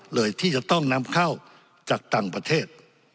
เลยที่จะต้องนำเข้าจากต่างประเทศ